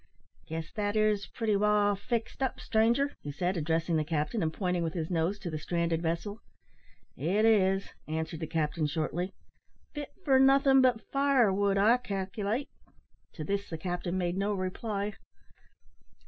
"Guess that 'ere's pretty wall fixed up, stranger," he said, addressing the captain, and pointing with his nose to the stranded vessel. "It is," answered the captain, shortly. "Fit for nothin' but firewood, I calculate." To this the captain made no reply.